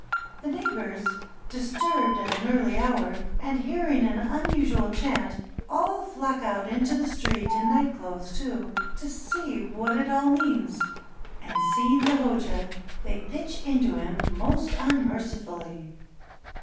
The neighbors, disturbed at an early hour, and hearing an unusual chant, all flock out into the street in night clothes, too, to see what it all means, and seeing the Hoja, they pitch into him most 555 TURKEY unmercifully.